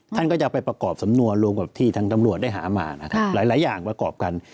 ท่านก็จะไปประกอบสำนวนรวมกับที่ทางตำรวจได้หามานะครับหลายอย่างประกอบกัน